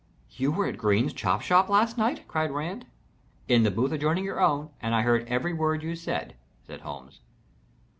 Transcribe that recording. "You were at Green's chop house last night?" cried Rand. "In the booth adjoining your own, and I heard every word you said," said Holmes.